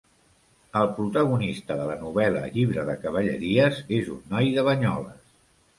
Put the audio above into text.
El protagonista de la novel·la Llibre de cavalleries és un noi de Banyoles.